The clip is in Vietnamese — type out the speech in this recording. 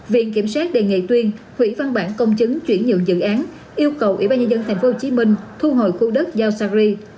viện kiểm soát đề nghị tuyên hủy văn bản công chứng chuyển nhượng dự án yêu cầu ubnd tp hcm thu hồi khu đất giao sacri